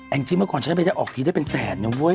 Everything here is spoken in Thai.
ตอนที่เมื่อก่อนชิงร้อยได้หาทีได้เป็นแสนนะเว้ย